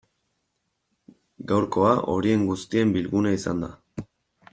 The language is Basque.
Gaurkoa horien guztien bilgunea izan da.